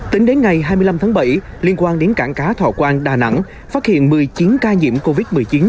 tính đến ngày hai mươi năm tháng bảy liên quan đến cảng cá thọ quang đà nẵng phát hiện một mươi chín ca nhiễm covid một mươi chín